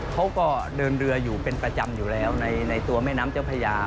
เขาก็เดินเรืออยู่เป็นประจำอยู่แล้วในตัวแม่น้ำเจ้าพญา